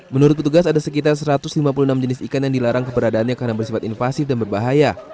menurut petugas ada sekitar satu ratus lima puluh enam jenis ikan yang dilarang keberadaannya karena bersifat invasif dan berbahaya